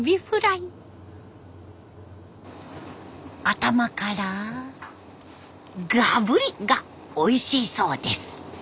頭からがぶり！がおいしいそうです。